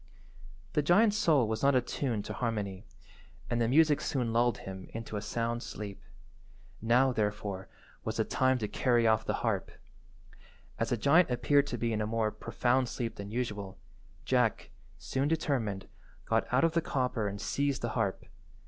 The giant's soul was not attuned to harmony, and the music soon lulled him into a sound sleep. Now, therefore, was the time to carry off the harp. As the giant appeared to be in a more profound sleep than usual, Jack, soon determined, got out of the copper and seized the harp.